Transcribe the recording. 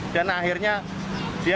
dan akhirnya dia